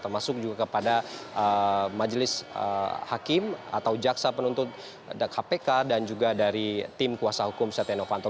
termasuk juga kepada majelis hakim atau jaksa penuntut kpk dan juga dari tim kuasa hukum setia novanto